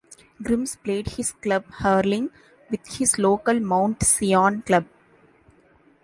Grimes played his club hurling with his local Mount Sion club.